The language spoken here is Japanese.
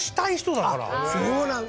そうなんだ。